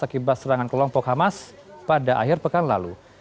akibat serangan kelompok hamas pada akhir pekan lalu